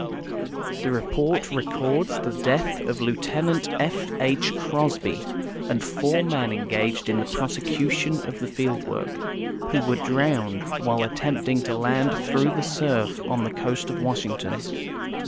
The report records the death of Lieut. F. H. Crosby and four men en gaged in the prosecution of the field work, who were drowned while attempting to land through the surf on the coast of Washington.